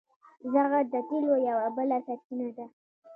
زغر د تیلو یوه بله سرچینه ده.